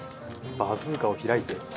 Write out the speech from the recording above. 「バズーカを開いて」って。